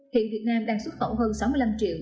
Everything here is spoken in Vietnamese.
hiện việt nam đang xuất khẩu hơn sáu mươi năm triệu